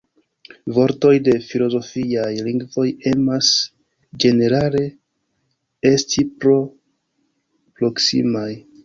Vortoj de filozofiaj lingvoj emas, ĝenerale, esti tro proksimaj.